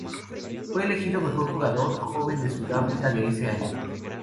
Fue elegido Mejor Jugador Joven de Sudáfrica de ese año.